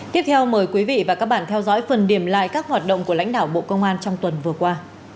tiếp theo mời quý vị và các bạn theo dõi phần điểm lại các hoạt động của lãnh đạo bộ công an trong tuần vừa qua